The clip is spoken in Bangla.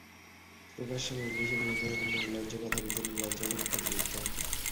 প্রকাশ্য মজলিসে বিভিন্ন রকম নির্লজ্জ কথা বলতো এবং লজ্জাজনক কাজে লিপ্ত হতো।